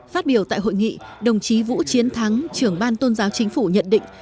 phát biểu tại hội nghị đồng chí vũ chiến thắng trưởng ban tôn giáo chính phủ nhận định